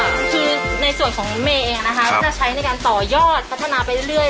คือในส่วนของเมย์เองนะคะก็จะใช้ในการต่อยอดพัฒนาไปเรื่อย